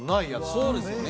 そうですよね。